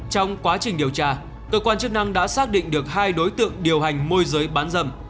trong quá trình điều tra cơ quan chức năng đã xác định được hai đối tượng điều hành môi giới bán dâm